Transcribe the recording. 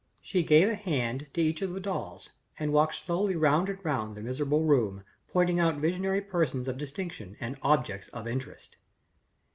She gave a hand to each of the dolls, and walked slowly round and round the miserable room, pointing out visionary persons of distinction and objects of interest.